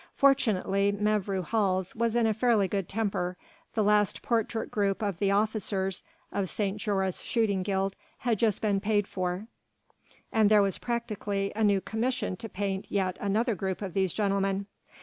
Fortunately Mevrouw Hals was in a fairly good temper, the last portrait group of the officers of St. Joris' Shooting Guild had just been paid for, and there was practically a new commission to paint yet another group of these gentlemen.